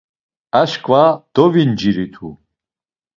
Aşǩva dovinciritu.